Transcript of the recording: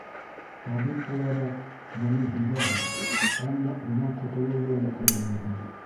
Табип булараҡ, быны һиҙәһең, әммә унан ҡотолоу юлын күрмәйһең.